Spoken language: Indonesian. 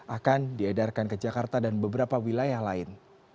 akan diedarkan ke jakarta dan beberapa wilayah lain